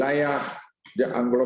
vpsi fish kelompokmu telah menemukan